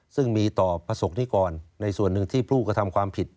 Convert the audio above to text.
ซึ่งมีต่อประสบนิกรในส่วนหนึ่งที่ผู้กระทำความผิด